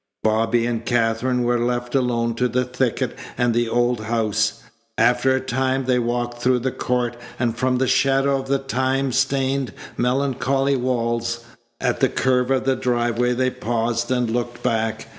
Bobby and Katherine were left alone to the thicket and the old house. After a time they walked through the court and from the shadow of the time stained, melancholy walls. At the curve of the driveway they paused and looked back.